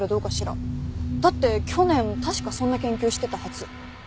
だって去年確かそんな研究してたはず。